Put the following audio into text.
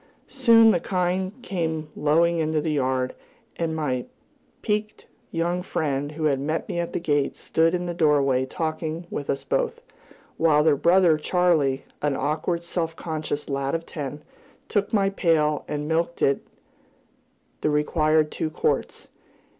Soon the kine came lowing into the yard, and my piquant young friend who had met me at the gate stood in the doorway talking with us both, while their brother Charley, an awkward, self conscious lad of ten, took my pail and milked into it the required two quarts.